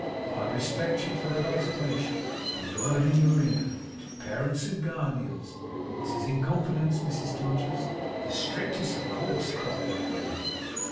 I respect you for that observation. A word in your ear. To Parents and Guardians. This is in confidence, Mrs Todgers?' 'The strictest, of course!' cried that lady.